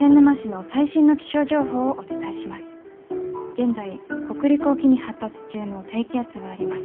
現在北陸沖に発達中の低気圧があります。